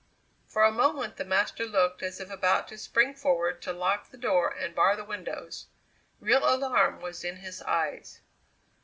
For a moment the master looked as if about to spring forward to lock the door and bar the windows. Real alarm was in his eyes.